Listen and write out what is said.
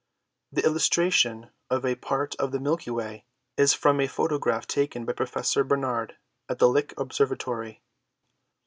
The illustration of a Part of the Milky Way is from a photograph taken by Professor Barnard at the Lick Observatory.